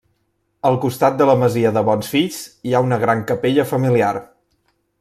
Al costat de la masia de Bonsfills hi ha una gran capella familiar.